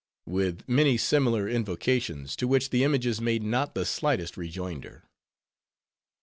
With many similar invocations, to which the images made not the slightest rejoinder.